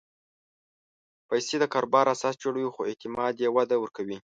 پېسې د کاروبار اساس جوړوي، خو اعتماد یې وده ورکوي.